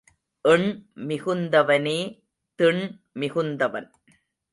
எண் மிகுத்தவனே திண் மிகுத்தவன்.